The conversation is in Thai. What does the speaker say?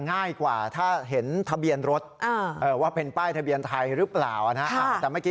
เสาร์ไฟเหรอเขียวไพ่แดง